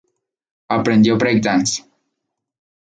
Aprendió breakdance.